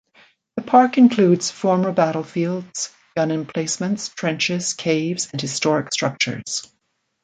The park includes former battlefields, gun emplacements, trenches, caves, and historic structures.